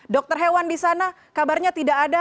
dokter hewan di sana kabarnya tidak ada